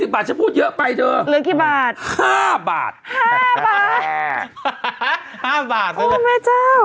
๒๐บาทฉันพูดเยอะไปเธอเหลือกี่บาท๕บาทโอ้เม้เจ้า